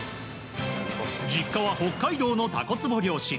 実家は北海道のタコつぼ漁師。